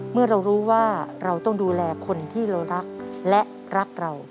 เมื่อเรารู้ว่าเราต้องดูแลคนที่เรารักและรักเรา